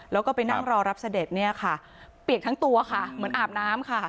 แล้วก็ไปนั่งรอรับเสด็จเนี่ยค่ะเปียกทั้งตัวค่ะเหมือนอาบน้ำค่ะ